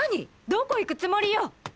どこ行くつもりよ！？